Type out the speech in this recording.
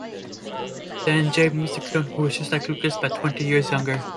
Then Jade meets the clone, who is just like Lucas, but twenty years younger.